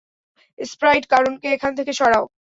Sprite, কারুনকে এখান থেকে সরাও!